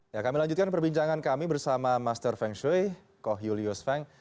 ya kami lanjutkan perbincangan kami bersama master feng shui koh julius feng